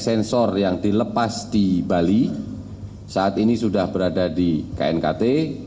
sensor yang dilepas di bali saat ini sudah berada di knkt